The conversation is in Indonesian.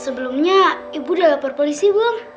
sebelumnya ibu udah lapor polisi belum